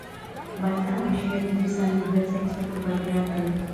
Baldaŭe ŝi aliĝis al diversaj ĉefurbaj teatroj.